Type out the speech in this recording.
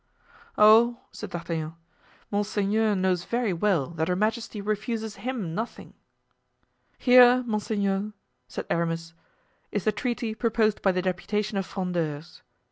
"Oh!" said D'Artagnan, "monseigneur knows very well that her majesty refuses him nothing." "Here, monseigneur," said Aramis, "is the treaty proposed by the deputation of Frondeurs.